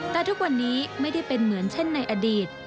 แต่ทุกวันนี้ไม่ได้เป็นเหมือนเช่นในอดีต